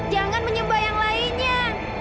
jangan menyembah yang lainnya